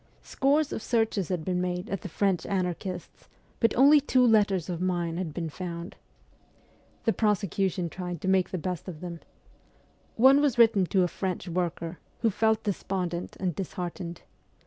Scores of searches had been made at the WESTERN EUROPE 265 French anarchists', but only two letters of mine had been found. The prosecution tried to make the best of them. One was written to a French worker, who felt despondent and disheartened.